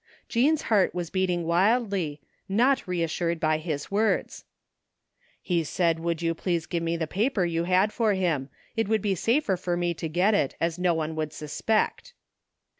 Jean's heart was beating wildly, not reassured by his words. " He said would you please give me the paper you had for him. It would be safer for me to get it, as no one would suspect."